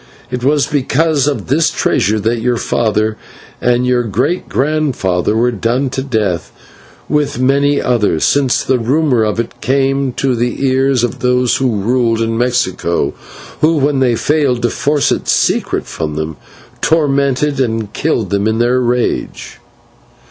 It was because of this treasure that your father and your great grandfather were done to death with many others, since the rumour of it came to the ears of those that ruled in Mexico, who, when they failed to force the secret from them, tormented and killed them in their rage.